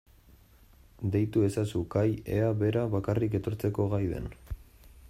Deitu ezazu Kai ea bera bakarrik etortzeko gai den.